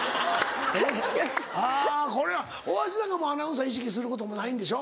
あぁこれは大橋なんかアナウンサー意識することもうないんでしょ。